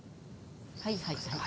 はいはいはい。